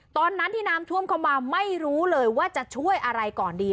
ตอนนั้นที่น้ำท่วมเข้ามาไม่รู้เลยว่าจะช่วยอะไรก่อนดี